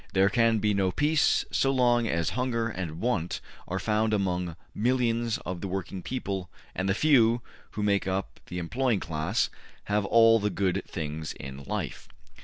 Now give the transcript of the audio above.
There can be no peace so long as hunger and want are found among millions of the working people and the few, who make up the employing class, have all the good things of life.